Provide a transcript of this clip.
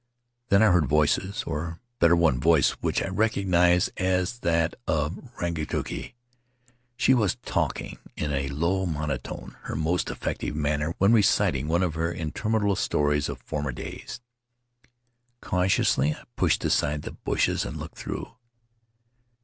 Then I heard voices or, better, one voice which I recognized as that of Rangi tuki. She was talking in a low monotone, her most effective manner when reciting one of her interminable stories of former days. Cautiously I pushed aside the bushes and looked through.